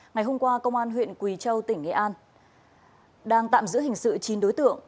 ngày hôm qua công an huyện quỳ châu tỉnh nghệ an đang tạm giữ hình sự chín đối tượng